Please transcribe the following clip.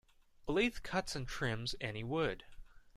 A lathe cuts and trims any wood.